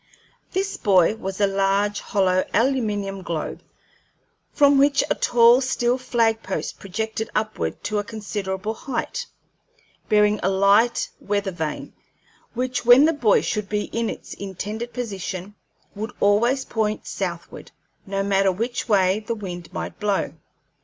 This buoy was a large hollow, aluminium globe, from which a tall steel flag post projected upward to a considerable height, bearing a light weather vane, which, when the buoy should be in its intended position, would always point southward, no matter which way the wind might blow.